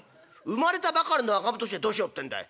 生まれたばかりの赤ん坊の年聞いてどうしようってんだい。